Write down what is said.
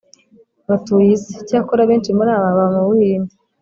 batuye isi. icyakora benshi muri abo baba mu buhindi.